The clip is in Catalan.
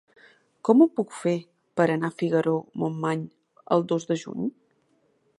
Com ho puc fer per anar a Figaró-Montmany el dos de juny?